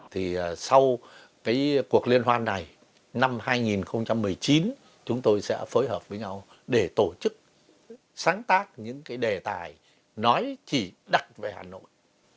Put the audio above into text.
thì sau cái cuộc liên hoan này năm hai nghìn một mươi chín chúng tôi sẽ phối hợp với nhau để tổ chức sáng tác những cái đề tài nói chỉ đặt về hà nội